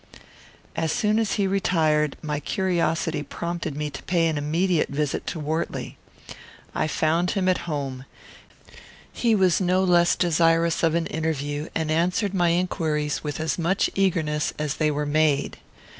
As soon as he had retired, my curiosity prompted me to pay an immediate visit to Wortley. I found him at home. He was no less desirous of an interview, and answered my inquiries with as much eagerness as they were made.